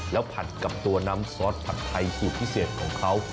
แล้วผัดกับตัวน้ำซอสผัดไทยสูตรพิเศษของเขา